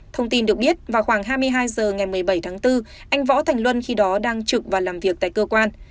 thông tin được biết vào khoảng hai mươi hai h ngày một mươi bảy tháng bốn anh võ thành luân khi đó đang trực và làm việc tại cơ quan